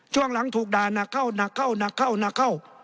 ช่วงหลังถูกด่านักเข้านักเข้านักเข้า